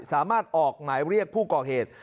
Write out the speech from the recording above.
สามารถออกหมายเรียกผู้ก่อเหตุ